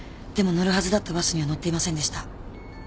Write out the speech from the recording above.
でも乗るはずだったバスには乗っていませんでした。